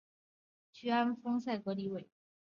屈安丰塞格里韦。